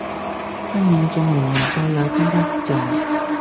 申領綜援人數有增加跡象